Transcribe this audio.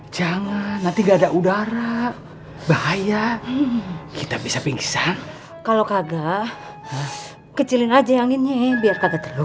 jangan nanti gak ada udara bahaya kita bisa pingsan kalau kagak kecilin aja yang ini biar kagak terluka